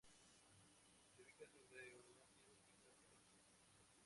Se ubica sobre un antiguo sitio arqueológico.